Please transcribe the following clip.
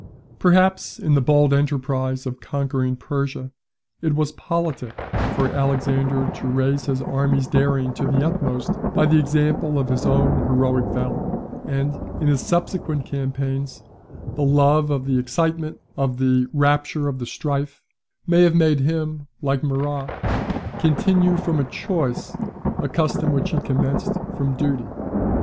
Perhaps in the bold enterprise of conquering Persia, it was politic for Alexander to raise his army's daring to the utmost by the example of his own heroic valour: and, in his subsequent campaigns, the love of the excitement, of "the rapture of the strife," may have made him, like Murat, continue from choice a custom which he commenced from duty.